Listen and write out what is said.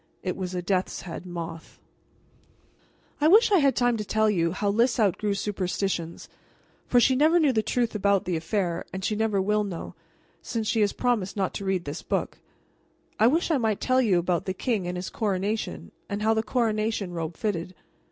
It was a death's head moth. I wish I had time to tell you how Lys outgrew superstitions for she never knew the truth about the affair, and she never will know, since she has promised not to read this book. I wish I might tell you about the king and his coronation, and how the coronation robe fitted.